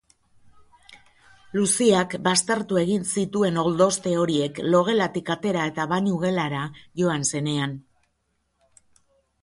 Luziak baztertu egin zituen oldozte horiek logelatik atera eta bainugelara joan zenean.